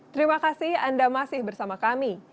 terima kasih anda masih bersama kami